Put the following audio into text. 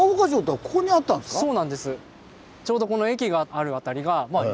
そうなんです。